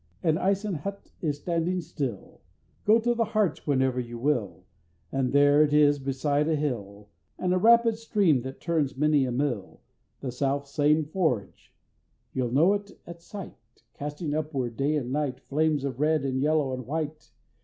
That Eisen Hutte is standing still, Go to the Hartz whenever you will, And there it is beside a hill, And a rapid stream that turns many a mill; The self same Forge, you'll know it at sight Casting upward, day and night, Flames of red, and yellow, and white!